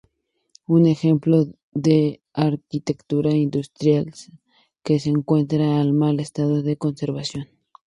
Es un ejemplo de arquitectura industrial que se encuentra en mal estado de conservación.